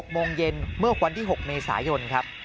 โมงเย็นเมื่อวันที่๖เมษายนครับ